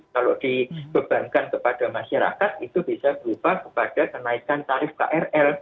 kalau dibebankan kepada masyarakat itu bisa berupa kepada kenaikan tarif krl